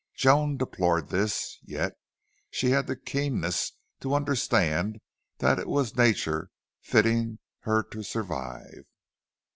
Joan deplored this, yet she had the keenness to understand that it was nature fitting her to survive.